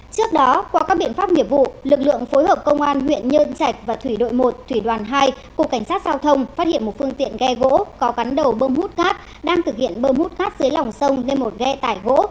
trước đó qua các biện pháp nghiệp vụ lực lượng phối hợp công an huyện nhân trạch và thủy đội một thủy đoàn hai cục cảnh sát giao thông phát hiện một phương tiện ghe gỗ có gắn đầu bơm hút cát đang thực hiện bơm hút cát dưới lòng sông lên một ghe tải gỗ